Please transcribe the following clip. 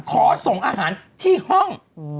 ขอส่งอาหารที่ห้อง